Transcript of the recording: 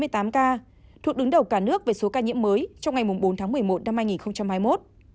thuộc đứng đầu cả nước về số ca nhiễm mới trong ngày bốn tháng một mươi một năm hai nghìn hai mươi một